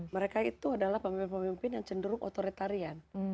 mereka itu adalah pemimpin pemimpin yang cenderung otoritarian